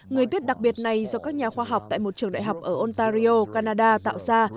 người tuyết đặc biệt này do các nhà khoa học tại một trường đại học ở ontario canada tạo ra